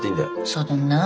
そうだな。